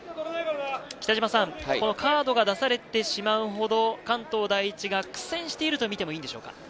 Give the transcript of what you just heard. このカードが出されてしまうほど関東第一が苦戦していると見て、いいんでしょうか？